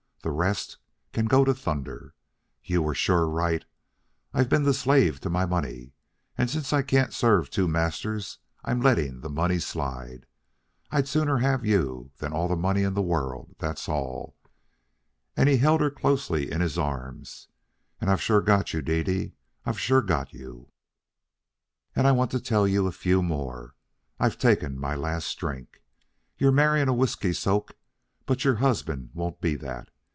The rest can go to thunder. You were sure right. I've been the slave to my money, and since I can't serve two masters I'm letting the money slide. I'd sooner have you than all the money in the world, that's all." Again he held her closely in his arms. "And I've sure got you, Dede. I've sure got you. "And I want to tell you a few more. I've taken my last drink. You're marrying a whiskey soak, but your husband won't be that.